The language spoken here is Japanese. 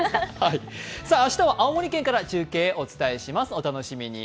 明日は青森県から中継お伝えします、お楽しみに。